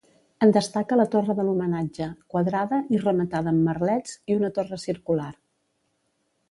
En destaca la torre de l'homenatge, quadrada i rematada amb merlets, i una torre circular.